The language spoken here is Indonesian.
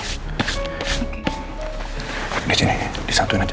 ini disini disatuin aja